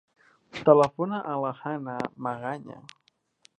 Telefona a la Hannah Magaña.